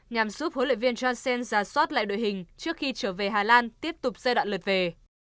nhằm giúp huấn luyện viên johnson ra soát lại đội hình trước khi trở về hà lan tiếp tục giai đoạn lượt về